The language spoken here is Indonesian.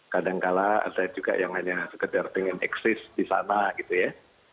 kadangkala ada juga yang hanya sekedar ingin eksis di sana gitu ya